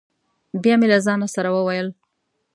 بیا مې له ځانه سره وویل: